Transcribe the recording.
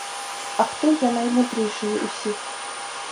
А хто є наймудріший усіх?